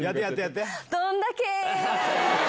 どんだけー。